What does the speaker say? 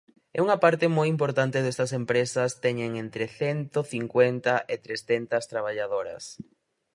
E unha parte moi importante destas empresas teñen entre cento cincuenta e trescentas traballadoras.